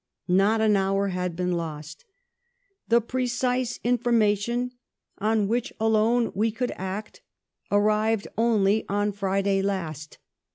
Not an hour had been lost. " The precise information on which alone we could act arrived only on Friday last.